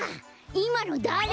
いまのだれ？